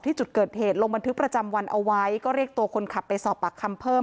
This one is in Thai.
จุดเกิดเหตุลงบันทึกประจำวันเอาไว้ก็เรียกตัวคนขับไปสอบปากคำเพิ่ม